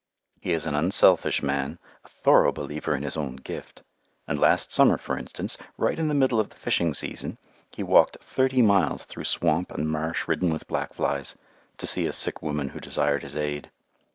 He is an unselfish man, a thorough believer in his own "gift"; and last summer, for instance, right in the middle of the fishing season, he walked thirty miles through swamp and marsh ridden with black flies, to see a sick woman who desired his aid.